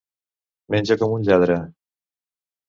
Menjar com un lladre.